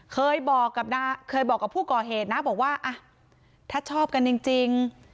เคยบอกกับผู้ก่อเหตุนะบอกว่าถ้าชอบกันจริง